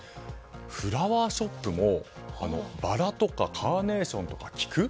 フラワーショップもバラとかカーネーションとか菊。